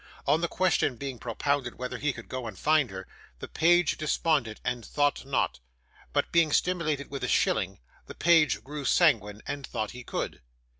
On the question being propounded whether he could go and find her, the page desponded and thought not; but being stimulated with a shilling, the page grew sanguine and thought he could.